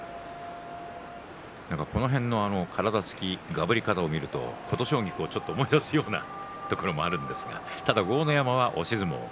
この辺の体つきがぶり方を見ると琴奨菊を思い出させるようなところがあるんですがただ豪ノ山は押し相撲。